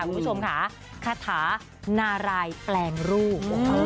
คุณผู้ชมค่ะคาถานารายแปลงรูป